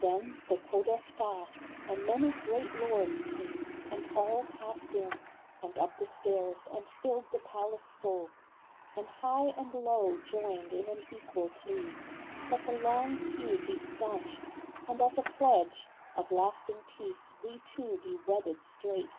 Then the Podesta And many great lords came, and all passed in, 104 A FLORENTINE JULIET. And up the stairs, and filled the palace full ; And high and low joined in an equal plea That the long feud be stanched, and as a pledge Of lasting peace we two be wedded straight.